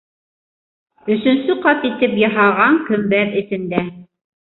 Өсөнсө ҡат итеп яһаған көмбәҙ эсендә.